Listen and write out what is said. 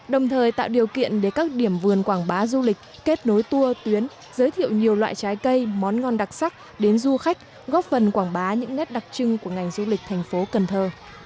đồng thời tạo điều kiện để các điểm vườn quảng bá du lịch kết nối tour tuyến giới thiệu nhiều loại trái cây món ngon đặc sắc đến du khách góp phần quảng bá những nét đặc trưng của ngành du lịch thành phố cần thơ